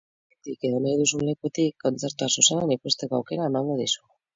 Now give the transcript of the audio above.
Etxetik, edo nahi duzun lekutik, kontzertua zuzenean ikusteko aukera emango dizugu.